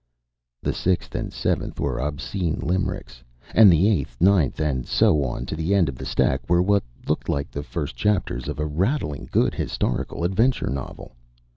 The sixth and seventh were obscene limericks; and the eighth, ninth and so on to the end of the stack were what looked like the first chapters of a rattling good historical adventure novel.